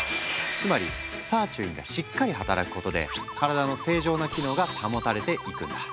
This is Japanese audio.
つまりサーチュインがしっかり働くことで体の正常な機能が保たれていくんだ。